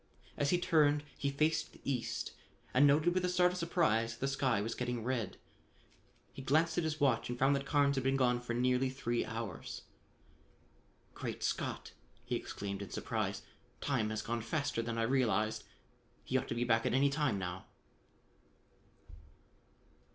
As he turned he faced the east and noted with a start of surprise that the sky was getting red. He glanced at his watch and found that Carnes had been gone for nearly three hours. "Great Scott!" he exclaimed in surprise. "Time has gone faster than I realized. He ought to be back at any time now."